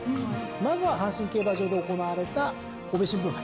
まずは阪神競馬場で行われた神戸新聞杯。